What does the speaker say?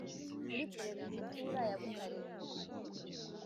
muri perefigutura ya Butare